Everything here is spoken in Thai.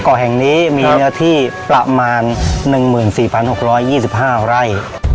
เกาะแห่งนี้มีเนื้อที่ประมาณ๑๔๖๒๕ไร่